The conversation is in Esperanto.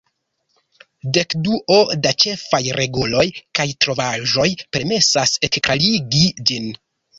Dekduo da ĉefaj reguloj kaj trovaĵoj permesas ekklarigi ĝin.